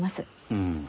うん。